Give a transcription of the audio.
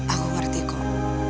aku ngerti kok